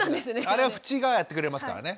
あれはふちがやってくれますからね。